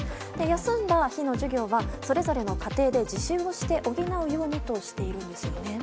休んだ日の授業はそれぞれの家庭で自習をして補うようにとしているんです。